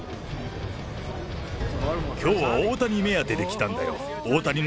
きょうは大谷目当てで来たんだよ。